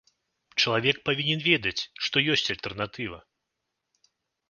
Чалавек павінен ведаць, што ёсць альтэрнатыва.